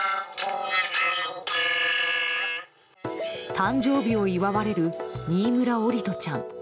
誕生日を祝われる新村桜利斗ちゃん。